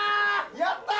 やったー！